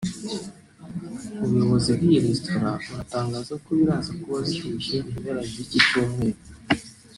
ubuyobozi bw’iyi Resitora buratangaza ko biraza kuba bishyuhsye mu mpera z’iki cyumweru